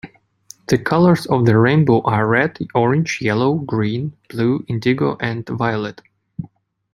The colours of the rainbow are red, orange, yellow, green, blue, indigo, and violet.